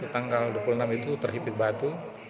tanggal dua puluh enam itu terhipit batu